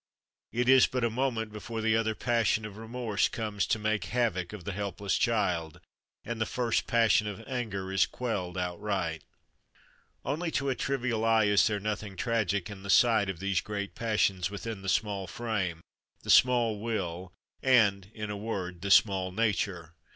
It is but a moment before the other passion of remorse comes to make havoc of the helpless child, and the first passion of anger is quelled outright. Only to a trivial eye is there nothing tragic in the sight of these great passions within the small frame, the small will, and, in a word, the small nature.